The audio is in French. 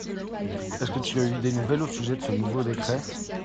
est-ce que tu as eu des nouvelles au sujet de ce nouveau décrêt ?